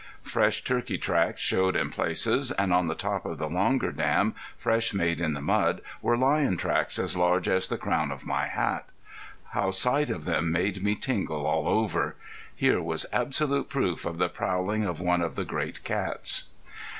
Fresh turkey tracks showed in places, and on the top of the longer dam, fresh made in the mud, were lion tracks as large as the crown of my hat. How sight of them made me tingle all over! Here was absolute proof of the prowling of one of the great cats.